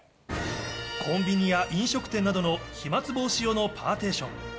コンビニや飲食店などの飛まつ防止用のパーテーション。